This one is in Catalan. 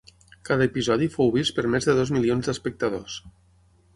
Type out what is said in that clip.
Cada episodi fou vist per més de dos milions d'espectadors.